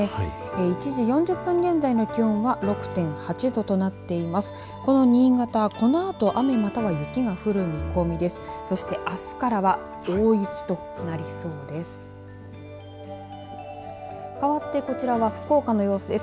１時４０分現在の気温は６．８度となっています。